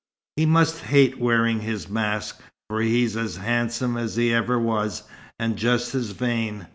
He must hate wearing his mask, for he's as handsome as he ever was, and just as vain.